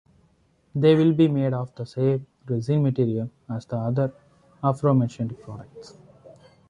They will be made of the same resin material as the other aforementioned products.